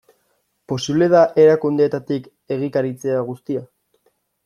Posible da erakundeetatik egikaritzea guztia?